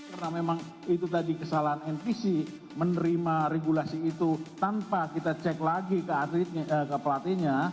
karena memang itu tadi kesalahan npc menerima regulasi itu tanpa kita cek lagi ke pelatihnya